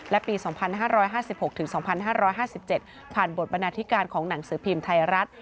และปี๒๕๕๖๒๕๕๗ผ่านบทบรรณาธิการของหนังสือพิมพ์ไทยรัฐ